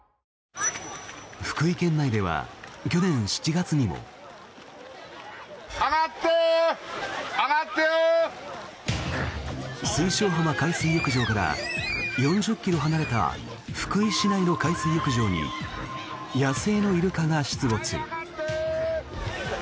福井県内では去年７月にも。水晶浜海水浴場から４０ｋｍ離れた福井市内の海水浴場に野生のイルカが出没。